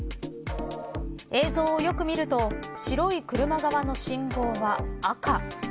映像をよく見ると白い車側の信号は赤。